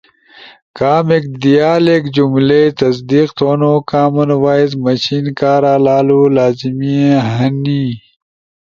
کامیک دیالیک جملئی تصدیق تھونو کامن وائس مشن کارا لالو لازمی ہنو،